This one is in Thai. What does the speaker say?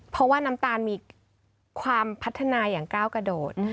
เพราะว่าน้ำตาลมีความพัฒนาอย่างก้าวกระโดด